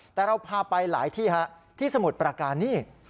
แต่เราพาไปหลายที่ฮะที่สมุทรประการนี่